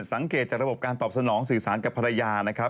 จากระบบการตอบสนองสื่อสารกับภรรยานะครับ